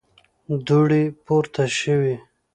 دوړې پورته شوې.